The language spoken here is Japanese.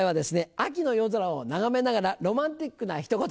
「秋の夜空を眺めながらロマンチックなひと言」。